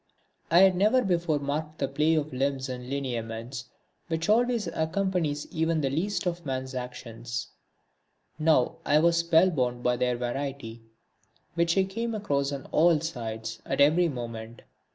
I had never before marked the play of limbs and lineaments which always accompanies even the least of man's actions; now I was spell bound by their variety, which I came across on all sides, at every moment.